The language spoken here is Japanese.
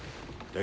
え？